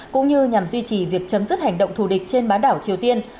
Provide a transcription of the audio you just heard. cũng như nhằm duy trì việc chấm dứt hành động thù địch trên bán đảo triều tiên